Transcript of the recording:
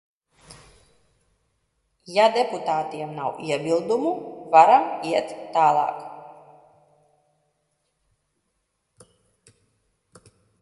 Ja deputātiem nav iebildumu, varam iet tālāk.